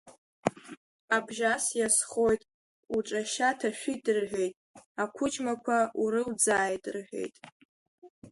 Абжьас иазхоит, уҿы ашьа ҭашәит рҳәеит, ақәыџьмақәа урылӡааит рҳәеит.